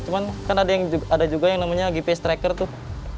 cuma kan ada juga yang namanya gps tracker tuh